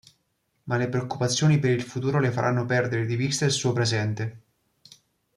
Ma le preoccupazioni per il futuro le faranno perdere di vista il suo presente.